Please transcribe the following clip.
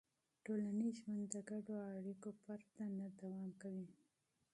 ټولنیز ژوند د ګډو اړیکو پرته نه دوام کوي.